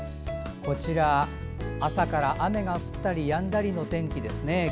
こちら、朝から雨が降ったりやんだりの天気ですね。